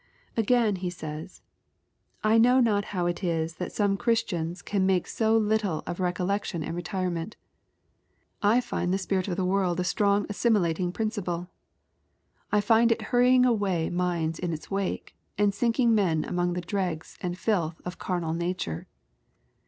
Again, he say? :" I know not how it is that st me Christiana \ 300 EXPOSITORY THOUGHTS. can inalce so little of recollection and retiremei t. I find tibe spirit of the world a strong assimilating principle. I find it hurrying away minds in its wake, and sinking men among the dregs and filth of a carnal nature.